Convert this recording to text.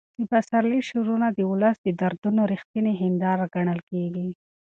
د پسرلي شعرونه د ولس د دردونو رښتینې هنداره ګڼل کېږي.